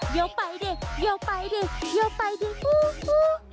เยอะไปดิเยอะไปดิเยอะไปดิอู้อู้